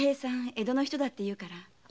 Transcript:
江戸の人だって言うから。